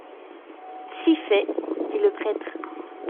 Si fait! dit le prêtre.